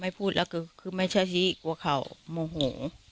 ไม่พูดแล้วก็ไม่พูดแล้วก็คือไม่ใช่สิกลัวเขาโมหู